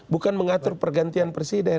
bukan mengatur pergantian presiden